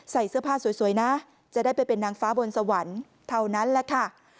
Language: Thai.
ใส่เสื้อผ้าสวยนะจะได้ไปเป็นนางฟ้าบนสวรรค์เท่านั้นแหละค่ะ